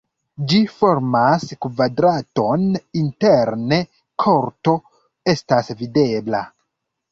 Ĝi formas kvadraton, interne korto estas videbla.